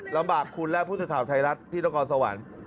ลำบากคุณและผู้สื่อข่าวไทยรัฐที่นครสวรรค์